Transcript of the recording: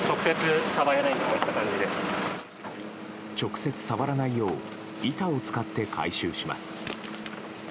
直接触らないよう板を使って回収します。